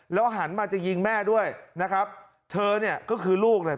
หันมาจะยิงแม่ด้วยนะครับเธอเนี่ยก็คือลูกเนี่ย